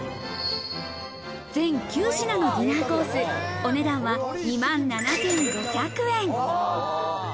全９品のディナーコース、お値段は２万７５００円。